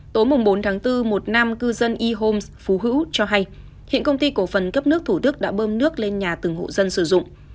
tối bốn tháng bốn một nam cư dân y homes phú hữu cho hay hiện công ty cổ phần cấp nước thủ đức đã bơm nước lên nhà từng hộ dân sử dụng